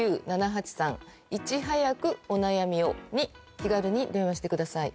気軽に電話してください。